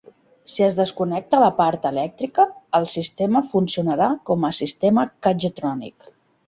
Si es desconnecta la part elèctrica, el sistema funcionarà com a sistema K-Jetronic.